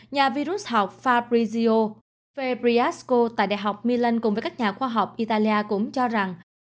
nhà virus học fabrizio fabriasco tại đại học milan cùng với các nhà khoa học italia cũng cho rằng